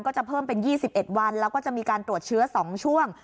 ก็จะเพิ่มเป็น๒๑วันแล้วก็จะมีการตรวจเชื้อ๒ช่วง